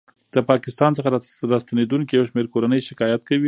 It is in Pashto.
ه پاکستان څخه راستنېدونکې یو شمېر کورنۍ شکایت کوي